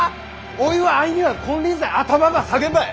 おいはあいには金輪際頭ば下げんばい。